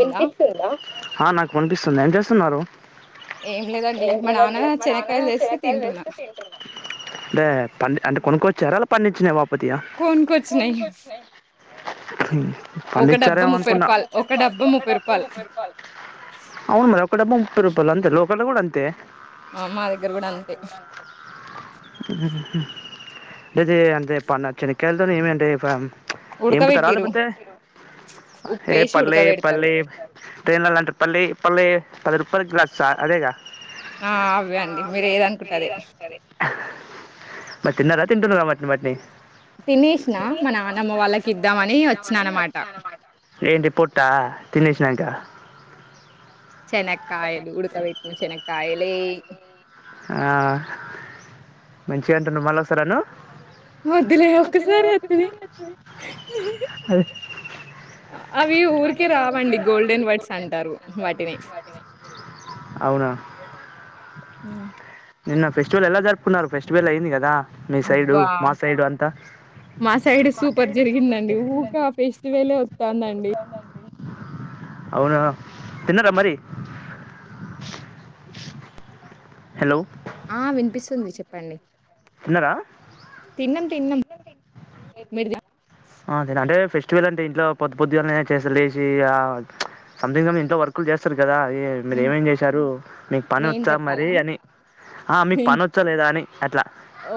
ఉందా హా నాకు వనిపిస్తుంది ఏం చేస్తున్నారూ. ఏం లేదండి ఏం మా నాన్న లేదండి మా చెనక్కాయలు నాన్నా తెస్తే శనక్కాయలు తింటున్నా తెస్తే తింటున్న. అంటే పండ్ అంటే కొనుక్కొచ్చార లేపోత్ పండించిన బాపతియా. కొనుకొచ్చినాయి ఒక డబ్బా పండిచ్చారేమో ముప్పై అనుకున్న. రూపాయలు ఒక డబ్బా ముప్పై రూపాయలు అవును మరి ఒక్క డబ్బా ముప్పై రూపాయలు అంతే లోకల కూడా అంతే. ఆ, మా దగ్గర కూడా అంతే ఉహు అయితే యెప్పన్న చనిక్కాయల్తోని యేమి అంటే ఏంపుతరా ఉడకబెట్టిరు లేపొతే ఏ ఉప్పేసి పల్లి ఉడకబెడతారు పల్లి ట్రైన్లల్ల అంటరు పల్లె పల్లె పది రూపాల గ్లాస్ సార్ అదేగా. అవే ఆ అండి అదే మీరు అండి ఏదనుకుంటే మీరు అదే ఏదనుకుంటె అదె. తిన్నారా తింటున్నరా వాట్ని వాట్ని. తినేసిన తినేశ్నా మా వాళ్ళకి నాన్నమ్మ ఇద్దామని వచ్చిన వాళ్ళకిద్దామని అనమాట వచ్చినన్నమాట. ఏంటి పొట్టా తినేశినంక. చెనక్కాయలు ఉడుకవెట్టిన చెనక్కాయలే. ఆ మంచిగంటున్నవ్ మల్లొసరను. వద్దులే ఒకసారి వస్తుంది వద్దు [unintelligible] అవీ ఊరికే రావండి గోల్డెన్ వర్డ్స్ అంటారు వాటిని. అవునా. ఉ నిన్న ఫెస్టివల్ ఎలా జరుపుకున్నారు ఫెస్టివల్ అయింది కదా మీ సైడూ అబ్బా మా సైడు అంతా. మా సైడ్ సూపర్ జరిగిందండి ఊకా ఫేస్టివేలే ఒస్తందండి. అవునా తిన్నర మరి. హలో. ఆ వినిపిస్తుంది చెప్పండి. తిన్నారా తిన్నం తిన్నం మీరుద అంతే అంటే ఫెస్టివల్ అంటే ఇంట్లో పొద్దు పొద్దుగాల్నే చేస్త లేసీ ఆ సంథింగ్ మీరు ఇంట్లో వర్కులు చేస్తరు కదా మీరు హ్మ్. ఏమేం చేశారు మీకు పని నేను ఒచ్చా మరీ జెప్పాలా? అని. ఆ మీకు నేను పని వచ్చా లేదా అని అట్లా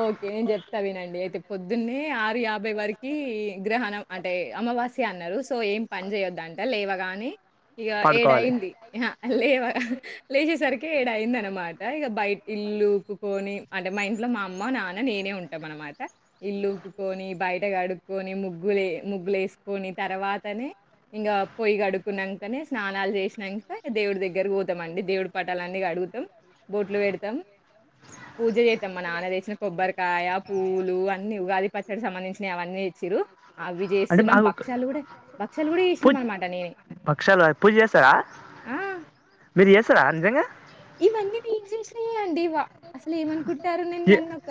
ఓకే నేను చెప్తా వినండి అయితే పొద్దున్నే ఆరు యాభై వరకి గ్రహణం అంటే అమావాస్య అన్నారు సో ఏం పని చేయొద్దాని అంటే లేవగాని ఇక పాడుకోవాలి ఏడయింది లేవ లేచేసరికి ఏడ అయింది అనమాట ఇక బయట ఇల్లు ఉక్కుకొని అంటే మం ఇట్లో మా అమ్మ నాన్న నేనే ఉంటాం అనమాట ఇల్లుూకుకొని బయట కడుకోని ముగ్గులే లూ వెసుకొని తర్వాతనే ఇంకా పొయ్య కడుకున్నాకనే స్నాలు చేసినాక దేవుడి దగ్గర పోతామండి దేవుడి పటాలన్నీ గడుత పోతాం బోట్లు పెడతాం పూజ చే మా నాన్న తెచ్చిన కొబ్బరికాయ పూలు అన్ని ఉగాది పచ్చడికి సంబంధించిన అవన్నీ తెచ్చిరు అవి అంటే చేస్తున్నాం మాకు ఒక భక్షాలులు కూడా భక్షలు కూడా పూజ చేసినాం అనమాట నేను పక్షాలు పూజ చేస్తారా మీరు చేస్తారా నిజంగా ఇవన్నీ నేను చేసినవె అండి ఇవా అసలు ఏమనుకుంటారు నేను ఏ- నన్ను ఒక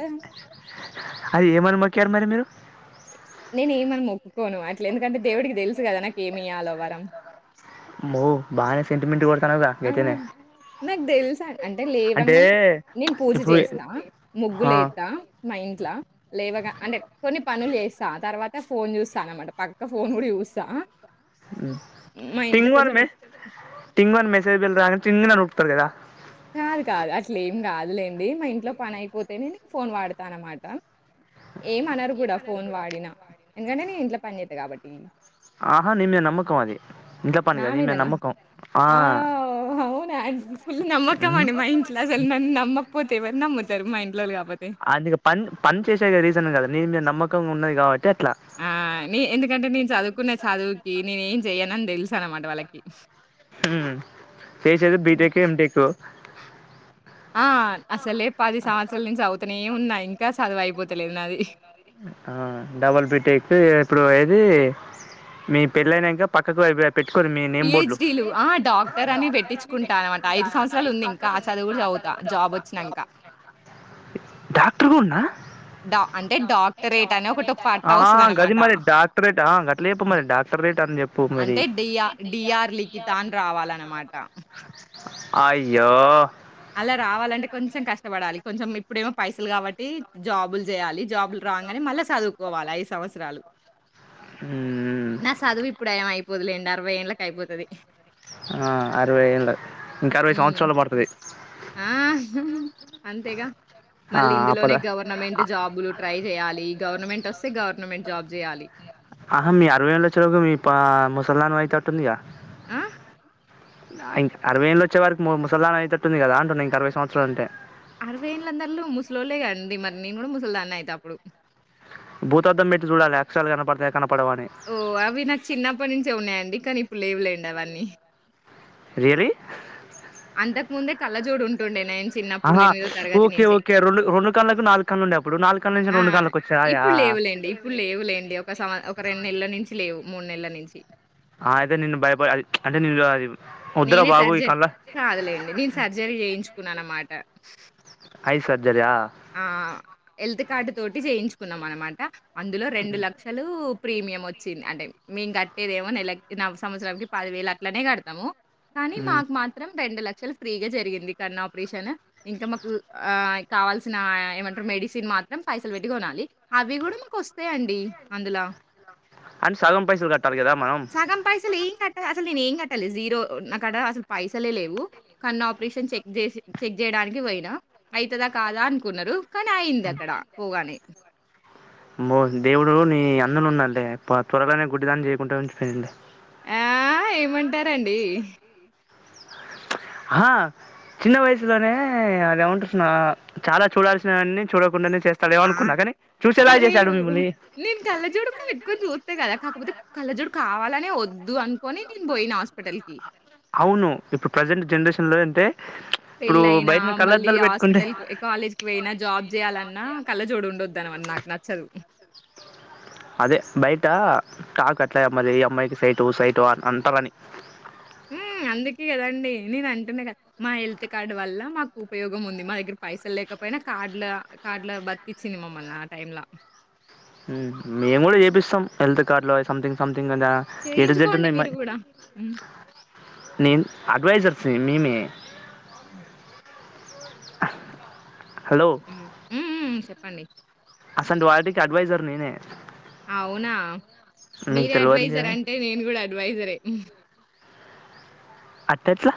అది ఏమనిమొక్కారు మరి మీరు నేను ఏమని మొక్కుకోను అట్లా ఎందుకంటే దేవుడికి తెలుసు కదా నాకీ ఏమి ఆవ్వాలోవారం ఆమ్మో బానే సెంటిమెంట్ కొతానుగా ఆ! ఎత్తనే నాకు తెలుసా అంటే లేవంగానే నేను పూజ ఇప్పుడు చేస్తా ముగ్గులుస్తా మా ఇంట్లో లేవగా అంటే కొన్ని పనులు చేస్తా తర్వాత ఫోన్ చూస్తా అనమాట పక్క ఫోన్ కూడా చూస్తా తింగన్ మే తింగన్ మే బిల్ రా తిన్ని తిం అని ఊపుతరుకదా కాదు కాదు అట్లే ఏం కాదులేండి మా ఇంట్లో పని అయిపోతేనే నేను ఫోన్ వాడతాన అనమాట అ ఏమ అనరు కూడా ఫోన్ వాడినా ఎందుకంటే నే ఇంట్లో పని చేతా కాబట్టి ఆహా నిన్ను నమ్మకం మాది నామీదనా ఆ అవునా ఫుల్ నమ్మకం ఇక్కమండి మా ఇంట్లో అసలు నన్ను నమ్మకపోతేవని నమ్ముతారు మా ఇంట్లో కాకపోతే రీసన్ కదా నీమీద నమకం ఉన్నది కావట్టి ఆ నీ ఎందుకంటే నేను చదువుకున్న చదువుకి నేను ఏం చెయనని తెలుసాను అన్నమాట వాళ్ళకి చేసది బిటెకు ఎం టేకు ఆ అసలే పది సంవత్సరాల నుంచి అవుతనే ఉన్నా ఇంకా చదువుయిపోతలేదు నాది ఆ డబల్ బిటక్ ఎప్పుడు ఏది మీ పెళ్ళనాంకా పక్కకు అభిప్రాయం పిహెచ్డీ లు ఆ డాక్టర్ అని పెట్టించుకుంటా అన్నమాట ఐదు సంవత్సరాలు ఉంది ఇంకా చదువు కూడా చదువుతా తా జాబ్ వచ్చినాంక డాక్టర్ కూడాన్నా డ హా గది వస్తదనమాట. మరి డాక్టరేట్ గట్ల చెప్పు మరి డాక్టరేట్ అని చెప్ పూ మరి అంటే డిఆ డిఆర్ లిఖిత అని రావాలనమాట. అయో అలా రావాలంటే కొంచెం కష్టపడాలి కొంచెం ఇప్పుడేమో పైసలు కాబట్టి జాబులు చేయాలి జాబులు రాంగానే మళ్ళా చదువుకోవాలి ఐదు సంవత్సరాలు మ్మ్ నా చదువు ఇప్పుడు ఏ అయిపోదులేండి అరవై ఏళ్ళకి అయిపోతుది ఆ అరవై ఏళ్ళ ఇంకా అరవై హ్మ్. సంవత్సరాలు పడుతుది ఆ అంతేగా ఆ మళ్ళీ అప్పటి ఇందులోనే లోనే గవర్నమెంట్ జాబులు ట్రై చేయాలి గవర్నమెంట్ వస్తే గవర్నమెంట్ జాబ్ చేయాలి ఆహా మీ అరవై ఏలో వచ్చరకు మీ ముసల్మాన్ అయితే అటుందిగా ఆ ఇంక అరవై ఏళ్ళు వచ్చే వకి ముసలధాన్ అవుతటట్టుంది కదా అంటును ఇంక అరవై సంవత్సలు అంటే అరవై ఏళ్ళందరలు ముసలోలే కదండి. మరి నేను కూడా ముసలదాన్నే అయితే అప్పుడు. బూతద్దం పెట్టి చూడాలె అక్షరాలు కనపడతయి. ఓ అవి నాకు చిన్నప్పటి నుంచె ఉన్నయండి. కానీ ఇప్పుడు లేవులేండి అవన్నీ. రియల్లీ అంతకు ముందే కళ్ళజోడు ఉంటుండే నేను చిన్నప్పుడు ఆహా ఎనిమిదో తరగతి ఓకే నుంచే. ఓకే రెండు రెండు కళ్ళలకు నాలుగు కళ్ళు ఉండే అప్పుడు. నాలుగు కళ్లు నుంచి ఆ! రెండు కళ్ళలకు వచ్చాయాయా. ఇప్పుడు లేవులేండి ఇప్పుడు లేవులేండి. ఒక సంవ ఒక రెండు నెలల నుంచి లేవు మూడు నెలల నుంచి. ఆ అయితే నిన్ను భయపడి అది అంటే ని అది వద్దురా నేనే బాబు ఈ సర్జరీ కళ్ళ కాదులేండి. నేను సర్జరీ చేయించుకున్నా అనమాట. ఐ సర్ ఆ హెల్త్ కార్డు తోటి చేయించుకున్నం అనమాట అందులో రెండు లక్షలు ప్రీమియం వచ్చింది. అంటే మేము కట్టేదేమో నెలకు న సంవత్సరాంనికి పది వేలు అట్లనే కడతము. కానీ మాకు మాత్రం రెండు లక్ షలు ఫ్రీగా జరిగింది కన్ను ఆపరేషన్ ఇంకా మాకు కావల్ ఆ ఏమంటరు మెడిసిన్ మాత్రం పైసలు పెట్టి కొనాలి. అవి కూడా మాకు వస్తయండి అందులా. అండ్ సగం పైసలు కట్టాలి కదా మనం. అంటే అసలు నేను ఏం కట్టలె జీరో నాకాడ అసలు పైసలే లేవు, కన్నా ఆపరేషన్ చెక్ చేసి చెక్ చేయడా నికి పోయినా అవుతదా కాదా అనుకున్నరు కానీ అయింది అక్కడ పోగానే. అమ్మో దేవుడు నీ అన్నలు ఉన్నడులే త్వరగానే గుడ్డి దాన్ని చేయకుండా ఉంచిపోయిండు. ఆ ఏమంటారండి. ఆ చిన్న వయసులోనే అదేమంటుస్తున్నా చాలా చూడాల్సినవన్ని చూడకుండనే స్తడేమో ఆ! అనుకున్నా కానీ లేదు మిమ్మల్ని నేను కళ్ళజోడు కూడా పెట్టుకొని చూస్తే కదా, కాకపోతే కళ్ళజూడు కావాల నేను వద్దు అనుకొని నేను పోయినా హాస్పిటల్ కి. అవును ఇప్పుడు ప్రజెంట్ జనరేషన్ లో అంటే ఇప్పుడు పెళ్ళయినా, బయటన మళ్ళీ కళ్ళద్దాలు పెట్టుకుంటే హాస్పిటల్ కాలేజ్ కి పోయినా, జాబ్ చేయాలన్నా కళ్ళజోడు ఉండొద్దన్న మరి నాకు నచ్చదు. అదే బయట టాక్ అట్లా మరి ఈ అమ్మాయికి సైట్ సైట్ అని అంటరని. హ్మ్. అందుకే కదండి నేను అంటున్నా కదా మా హెల్త్ కార్డ్ వల్ల మాకు ఉపయోగం ఉంది. మా దగ్గర పైసలు లేకపో పోయినా కార్డ్ లా కార్డ్ లా బతికించిది మమ్మల్ని ఆ టైమ్లా. హ్ మేము కూడా చేపిస్తాం హెల్త్ కార్డ్ లు అవి సంథింగ్ సం థింగ్ అని ఆ ఎటు జేడ్డు చేయించుకోండి ఉన్నయి మాయి. మీరు గూడా. హ్మ్. నేను అడ్వైజర్స్ని మేమే. హ్ హలో హుహూ చెప్పండి. అసొంటివాటికి అడ్వైజర్ నేనే. అవునా మీకు మీరే తెలియదు అడ్వైజర్ కదా అంటే నేను కూడా అడ్వైజరే. అట్లేట్లా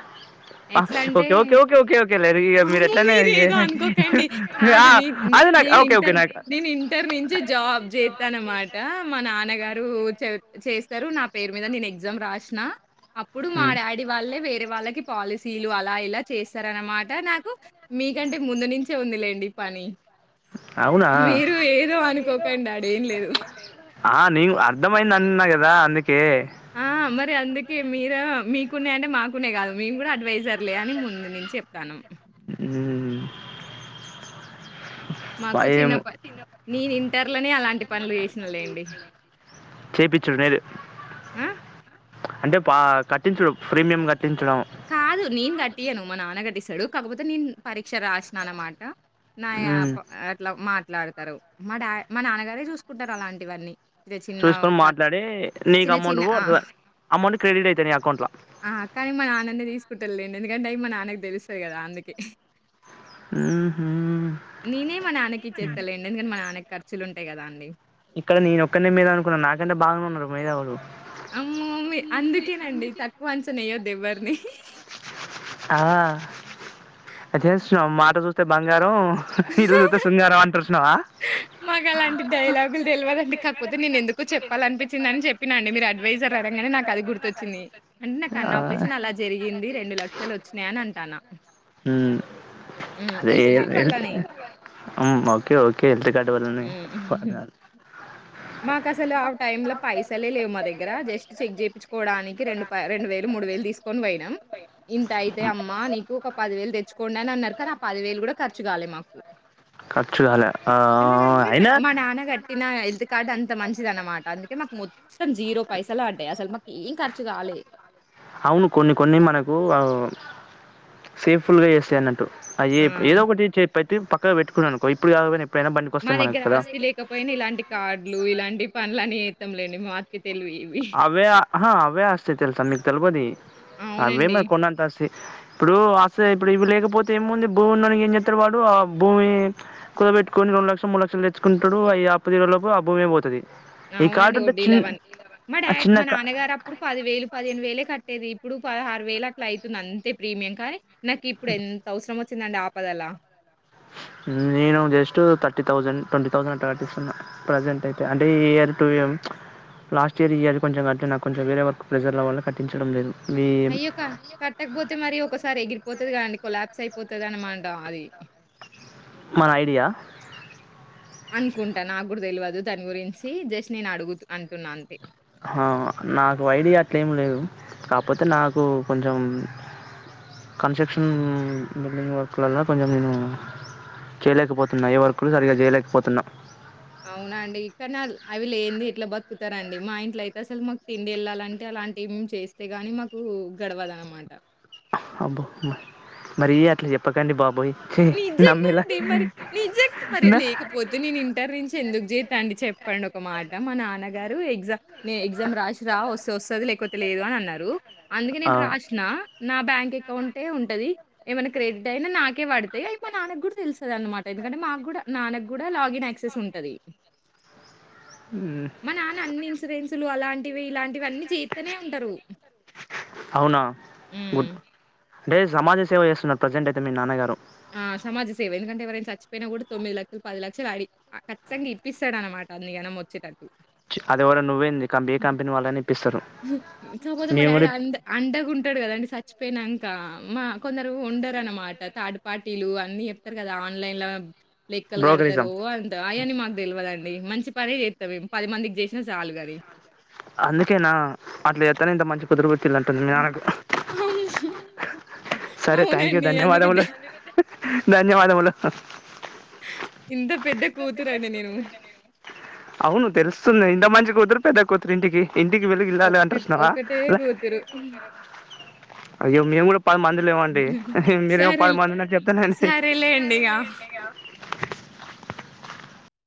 ఆ ఎట్లంటే ఓకే ఓకే ఓకే ఓకే లే ఇగ మీరు అమ్మో! ఎట్లన్నా మీరేదో అనుకోకండి. ఆ కాదు నే హ్మ్. అది నాకు నేను ఓకే ఓకే ఇంటర్ నాకు నేను ఇంటర్ నుంచి జాబ్ చేత్తా అనమాట మా నాన్నగారు చె చేస్తరు నా పేరు మీద. నేను ఎగ్జామ్ రాశిన అప్పుడు మా రాసిన డాడీ వాళ్లే వేరే వాళ్ళకి పాలసీలు అలా ఇలా చేస్తారన్నమాట. నాకు మీకంటే ముందు నుంచే ఉందిలేండి పని. కాలేజ్ అవునా మీరు ఏదో అనుకోకండి ఆడ ఏం లేదు. ఆ నేను అర్ధమయింది అన్నా కదా అందుకే. ఆ! మరి అందుకే మీరు మీకున్నయి అంటే మాకున్నయి కాదు. మేము కూడా అడ్వైజర్లే అని ముందు నుంచి చెప్తాన్నాం. ఉహ్ మాకు చిన్నప్ప నేను ఇంటర్లనే అలా ంటి పనులు చేసిన లేండి. చేపించుడు లేదు ఆ అంటే పా కట్టిండు చూడు ప్రీమియం క కాదు నేను కట్టియను మా నాన్న కట్టిస్తాడు కాకపోతే నేను పరీక్ష రాసినాను అన్నమాట నాయా మ్మ్ అట్లా మాట్లాడతారు మా డా మా నాన్నగారే చూసుకుంటారు అలాంటివన్నీ చిన్న చిన్న చూసుకొని ఖర్ మాట్లాడి నీకు చిన్న అమౌంట్ చిన్న ఆ! పడుతుందిా అమౌంట్ క్రెడిట్ అయితే నీ అకౌంట్ లో కుటల్ండి ఎందుకంటే అవి మ మా నాన్నకి తెలుస్తుంది కదా అందుకే నేనే మా నాన్నకి ఇచ్చేస్తాలేండి ఎందుకంటే మన నాన్నకి ఖర్చులు ఉంటా టయ్ కదా అండి ఇక్కడ నేను ఒక్కన్నే మేధావి అనుకున్నా నాకంటే బాగానే ఉన్నారు మేధావులు అమ్మో అందుకేనండి తక్కువ అంచన యెయ్యొద్దు ఎవ్వరిని ఆ అట జేస్తున్నాం మాట చూస్తే బంగారం ఇల్ శుంగార అంట మాకు అలాంటి డైలాగులు తెలివ దండి కాకపోతే నేను ఎందుకు చెప్తా వాళ్ళ అనిించిందని చెప్పినం మీరు అడ్వైజర్ అరంగానే నాకు అది గు వచ్చినయ్ అంటే నాకు అన్న ఆ ఆపరేషన్ అలా జరిగింది రెండు లక్షలు వచ్చినాయి అని అంటాను ఉ అదే హెల్త్ కార్డ్ వల్లనే. ఓకే ఓకే హ మాకు అసలు ఆ టైమ్ లో పైసలే లేవు మా దగ్గర జస్ట్ చెక్ చేపిచుకోవడానికి రెండు రెండు వేలు మూడు వేలు దీసుకొని పోయినా ఇంత అయితే అమ్మా నీకు ఒక పదివేలు తెచ్చ తెచ్చుకోండి అన్నారు కక నా పది వేలు కూడా ఖచు కాలదు మాకు ఖర్చు కాలే ఆ ఎందుకంట అయినా మా నాన కట్ిన ఇది అంత మంచిది అనమాట అందుకే మాకు మొత్తం జీరో పైసలు పడ్డాయి అసలు మాకు ఏం ఖర్చు కాలే అవును కొన్ని కొన్ని మనకు సేఫ్ ఫుల్ గా చేస్తాయ అన్నట్టు అ ఆ! ఏదో ఒకటి చెప్పట్టి పక్క పెట్టుకున్నానుకో ఇప్పుడు కాకపోయినా ఎప్పుడైనా బండికి మా వస్తాయి మనకు దగ్గర కదా ఆస్తి లేకపోయినా ఇలాంటి కార్డులు ఇలాంటి పనులని జేతం లేండి మార్కెట్ అవే అవే అస్తి తెలుస మీక్ తెల్బోది అవే అవునండి. మరి కొండంత అస్తతి ఇప్పుడు అసలు ఇప్పుడు ఇవి లేకపోతే ఏంముంది భూమి ఉన్నోనికి ఏం చెతారు వాడు ఆ భూమి పెట్టుకని రండు లక్షల మూ లక్షలు తెచ్చుకుంటడు అ ఆపదల లోపు అభోమే పోతుది అవునండి. ఈకాడుంట చిన్ వడ్డీలవన్నీ. మా ఆ డాడీ చిన్న మా కా నాన్నగారు అప్పుడు పది వేలు పదిహేను వేలే కట్టేది ఇప్పుడు పదహరు వేల అట్లా అవుతుంది అంతే ప్రీమియం కానీ నాకు ఇప్పుడు ఎంత అవసరం వ చినండి ఆపదలా నేను just thirty thousand twenty thousand అట్ట కట్టిస్తున్నా ప్రజెంట్ అయితే అంటే ఈ year two year last year ఇయాలి కొంచం అట్ నా కొెం వేరే వకు ప్రెజర్ల వల్ల కటించడం లేదు మీ అయ్యోక కట్టకపోతే మరి ఒకసారి ఎగిరిపోతుది కదండి కొలాప్స్ అయిపోతద అనమాంటం అది మన అఐడయా అనుకుంటాను నాకు కూడా తెలియదు దని గురించి జస్ట్ నేను అడుగు అంటున్నా అంతే నాకు ఐడియా అట్లేమి లేదు కాకపోతే నాకు కొంచెం కన్స్ట్రక్షన్ బిల్డింగ్ వర్క్లలో కొంచెం నేను చేయలేకపోతున్నాయి ఏ వర్కులు సరిగ్గా చేయలేకపోతున్నా అవున అండి కానీ అవి లేని ఇట్లా బతుకుతారంండి మా ఇంట్ల అయితే అసలు మాకు తిండి వెళ్ళాలంటే అలా అలాంటి ఏం చేస్తే గాని మాకు గడవద అన్నమాట అబ్బో మరి అట్లా చెప్పకండి బాబోయ్ ఛీ, నిజంగా నమ్మేలా అండి మరి నిజంగా మరి నా- లేకపోతే నేను ఇంటర్ నుంచి ఎందుకు చే తండడి చెప్పండి ఒక మాట మా నాన్నగారు ఎగ్జామ్ నే ఎగ్జామ్ రాసి రా వస్తు వస్తుంది లేకపోతే లేదు అని అన్నారు అందుకే ఆ నేను నా రా్రాసిన నా బ్యాంక్ అకౌంటే ఉంటది ఏమైనా క్రెడిట్ అయినా నాకే పడుతు అ అయి మా నాన్నకు కూడా తెలుసద అనమాట ఎందుకంటే మాకు కూడా నాన్నకు కూడా లాగిన్ యాక్సెస్ ఉంటది ఉంటది మా నాన్న అన్ని ఇన్సూరెన్సులు అలాంటివి ఇలాంటివి అన్నిీ చేీతనే ఉంటరు అవునా ఉమ్ గుడ్ అంటే సమాజ సేవ చేస్తున్నారు ప్రజెంట్ అయితే మీ నాన్నగారు ఆ సమాజ సేవ ఎందుకంటే ఎవరైనా చచ్చిపోయినా కూడా తొమ్మిది లక్షలు పది లక్షలు అడి ఖచ్చింగా ఇప్పిస్తాడ అనమాట అల్లి గనం వచ్చేటట్లు చి అదివరాష్ట్ర నువ్వేంది ఏ కంపెనీ వాళ్ళఅయినా ఇప్పిస్తారు సపోజ్ మా మేము డాడీ కూడా అంద అండగుంటాడు కదండి సచ్ పోనాంక మా కొందరు ఉండర అన్నమాట తాడు పార్టీలు అన్ని చెప్తారు కదా ఆన్లైన్ లో లెక్కలు బ్రోకరిజం కడతారు అంతా అని మాకు తెలియదండి మంచి పనే జేతావ్ మేం పది మందికి చేసినా చాలు కానీ అందుకేనా అట్లా ఎత్తానే ఇంత మంచి కుదురు పిల్లంటుంది నాకు అవును. సరే థ్యాంక్ యూ అవునండి. అందుకే ద ధన్యవాదములు ధన్యవాదములు ఎంత పెద్ద కూతురన్డి నేను అవును తెలుస్తుంది ఇంత మంచి కూతురు పెద్ద కూ తురు ఇంటికి ఇంటికి వెలుగు ఇల్లాలు అంటర్ ఒక్కటి సునవా ఒకటే కూతురు. అయ్యో మేము కూడా పది మందిలు ఏమండి మీరేమో పది సరేలే. మంది అ చెప్తానండి సరేలేండిగ.